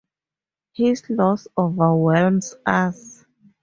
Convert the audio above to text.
His loss overwhelms us.